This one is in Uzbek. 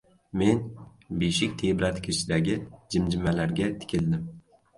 Men beshiktebratgichdagi jimjimalar tikildim.